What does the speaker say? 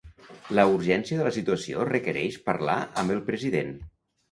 La urgència de la situació requereix parlar amb el president.